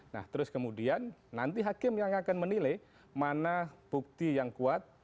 nah terus kemudian nanti hakim yang akan menilai mana bukti yang kuat